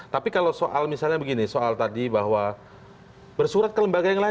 tapi kalau soal misalnya begini soal tadi bahwa bersurat ke lembaga yang lain